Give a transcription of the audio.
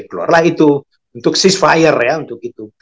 keluar lah itu untuk ceasefire ya untuk itu